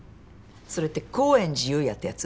それって高円寺裕也ってやつ？